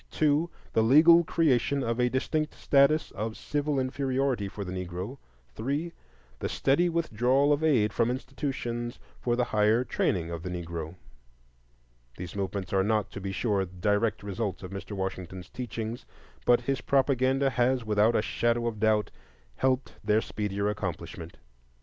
2. The legal creation of a distinct status of civil inferiority for the Negro. 3. The steady withdrawal of aid from institutions for the higher training of the Negro. These movements are not, to be sure, direct results of Mr. Washington's teachings; but his propaganda has, without a shadow of doubt, helped their speedier accomplishment.